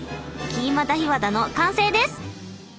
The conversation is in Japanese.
キーマダヒワダの完成です！